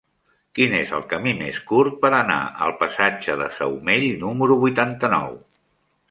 Quin és el camí més curt per anar al passatge de Saumell número vuitanta-nou?